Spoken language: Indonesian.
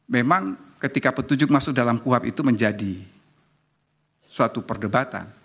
memang ketika petunjuk masuk dalam kuhap itu menjadi suatu perdebatan